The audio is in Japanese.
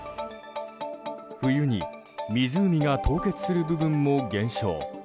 冬に湖が凍結する部分も減少。